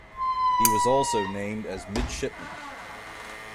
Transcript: He was also named as Midshipman.